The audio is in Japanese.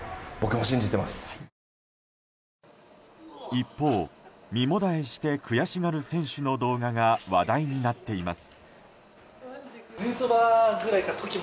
一方、身もだえして悔しがる選手の動画が話題になっています。